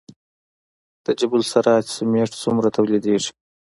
د جبل السراج سمنټ څومره تولیدیږي؟